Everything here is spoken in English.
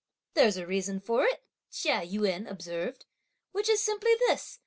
"There's a reason for it," Chia Yün observed, "which is simply this.